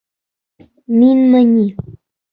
Минме ни!